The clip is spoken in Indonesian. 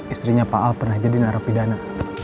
istrinya pak al pernah jadi narapidana